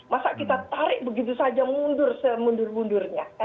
masa kita tarik begitu saja mundur semundur mundurnya